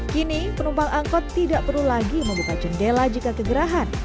kini penumpang angkot tidak perlu lagi membuka jendela jika kegerahan